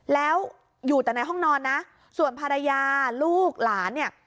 แล้วอยู่แต่ในห้องนอนนะส่วนภรรยาลูกหลานเนี่ย